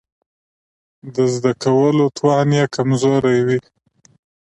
د زده کولو توان يې کمزوری وي.